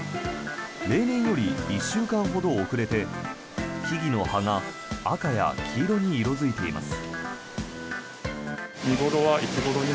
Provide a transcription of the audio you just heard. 例年より１週間ほど遅れて木々の葉が赤や黄色に色付いています。